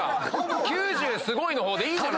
９０すごいの方でいいじゃない！